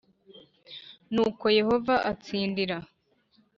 Nuko yehova atsindira